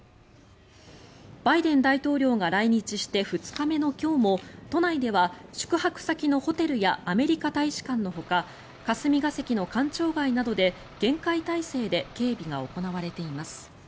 バイデン大統領が来日して２日目の今日も都内では宿泊先のホテルやアメリカ大使館のほか霞が関の官庁街などで厳戒態勢で警備が行われています。